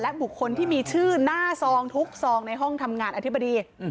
บุคคลที่มีชื่อหน้าซองทุกซองในห้องทำงานอธิบดี